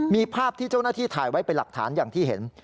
มีภาพที่เจ้าหน้าที่ถ่ายไว้เป็นหลักฐานอย่างที่เห็น